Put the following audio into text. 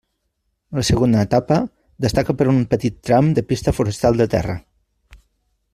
La segona etapa destaca per un petit tram de pista forestal de terra.